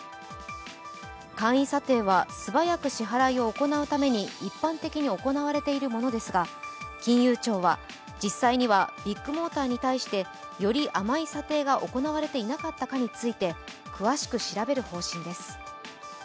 簡易査定は素早く支払いを行うために一般的に行われているものですが、金融庁は実際にはビッグモーターに対してより甘い査定が行われていなかったについて、詳しく調べる方針です。